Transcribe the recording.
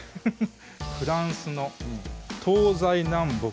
フランスの東西南北